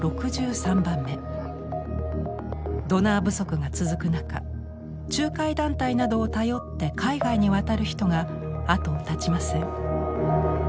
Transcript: ドナー不足が続く中仲介団体などを頼って海外に渡る人が後を絶ちません。